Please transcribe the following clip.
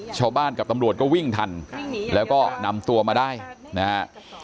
ชาวบ้านกับตำรวจก็วิ่งทันแล้วก็นำตัวมาได้นะฮะ